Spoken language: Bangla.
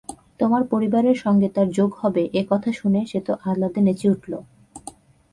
তোমার পরিবারের সঙ্গে তার যোগ হবে এ কথা শুনে সে তো আহ্লাদে নেচে উঠল।